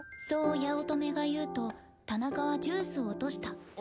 「そう八乙女が言うと田中はジュースを落とした。